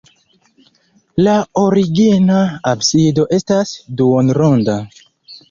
La origina absido estas duonronda.